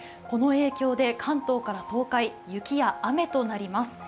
この影響で関東から東海、雪や雨となります。